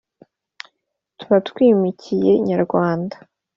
Tuba twimikiye Kanyarwanda